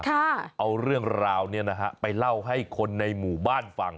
เอาเรื่องราวเนี่ยนะฮะไปเล่าให้คนในหมู่บ้านฟัง